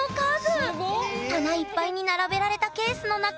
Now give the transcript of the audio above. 棚いっぱいに並べられたケースの中